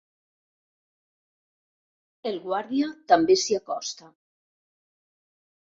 El guàrdia també s'hi acosta.